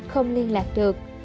không liên lạc được